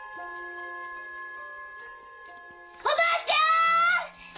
おばあちゃん！